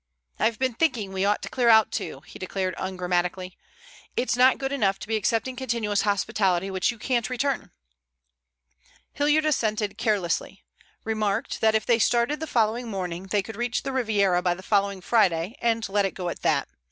"I've been thinking we ought to clear out too," he declared ungrammatically. "It's not good enough to be accepting continuous hospitality which you can't return." Hilliard assented carelessly, remarked that if they started the following morning they could reach the Riviera by the following Friday, and let it go at that.